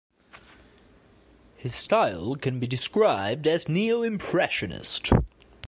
His style can be described as neo-impressionist.